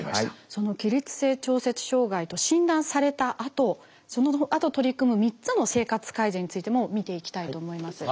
その起立性調節障害と診断されたあとそのあと取り組む３つの生活改善についても見ていきたいと思います。